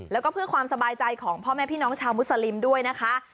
แล้วก็เพื่อความสบายใจของพ่อแม่พี่น้องชาวมุสลิมด้วยนะคะ